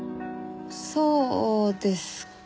そうですか。